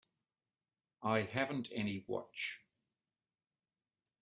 I haven't any watch.